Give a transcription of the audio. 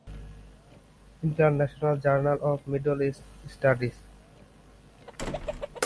International journal of Middle East studies.